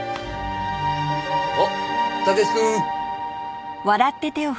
おっ武志くん！